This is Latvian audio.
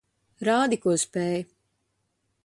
Rādi, ko spēj.